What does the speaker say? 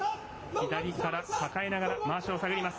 左から、抱えながらまわしを探ります。